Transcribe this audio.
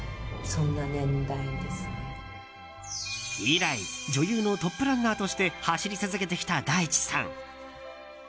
以来女優のトップランナーとして走り続けてきた大地さん。